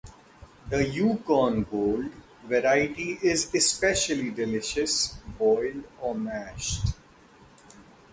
The Yukon Gold variety is especially delicious boiled or mashed.